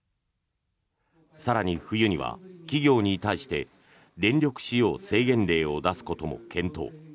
更に、冬には企業に対して電力使用制限令を出すことも検討。